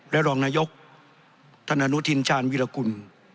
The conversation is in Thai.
และรองนายกท่านอนุทินชาญวิรากุล